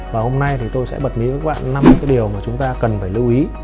và hôm nay thì tôi sẽ bật mí với các bạn năm điều mà chúng ta cần phải lưu ý